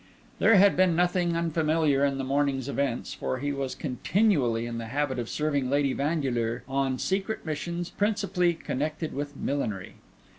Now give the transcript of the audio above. There had been nothing unfamiliar in the morning's events, for he was continually in the habit of serving Lady Vandeleur on secret missions, principally connected with millinery.